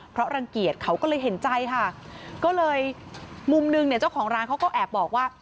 เพราะรังเกียจเขาก็เลยเห็นใจค่ะก็เลยมุมนึงเนี่ยเจ้าของร้านเขาก็แอบบอกว่า